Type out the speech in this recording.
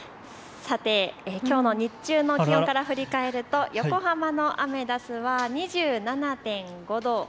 きょうの日中の気温から振り返ると横浜のアメダスは２７．５度。